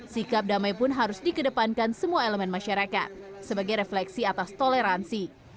sikap damai pun harus dikedepankan semua elemen masyarakat sebagai refleksi atas toleransi